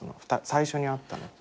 最初に会ったのって。